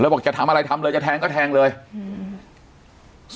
บอกจะทำอะไรทำเลยจะแทงก็แทงเลยอืม